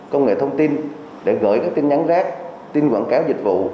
công nghệ thông tin để gửi các tin nhắn rác tin quảng cáo dịch vụ